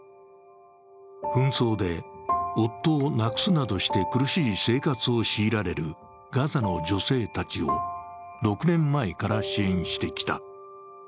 紛争で夫を亡くすなどして苦しい生活を強いられるガザの女性たちを６年前から支援してきた。